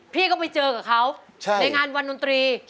พี่ก็ไปเจอกับเขาในงานวันดนตรี